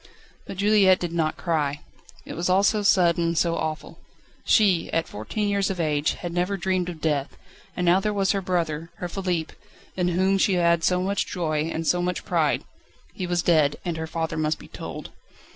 But Juliette did not cry. It was all so sudden, so awful. She, at fourteen years of age, had never dreamed of death; and now there was her brother, her Philippe, in whom she had so much joy, so much pride he was dead and her father must be told